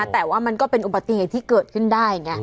แต่ว่ามันก็เป็นอุบัติเหตุที่เกิดขึ้นได้ไง